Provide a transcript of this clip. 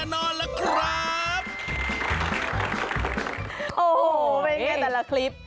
โอ้โหเป็นอย่างเงี้ยแต่ละคลิป